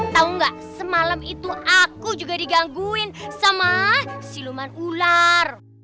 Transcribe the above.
tahu nggak semalam itu aku juga digangguin sama siluman ular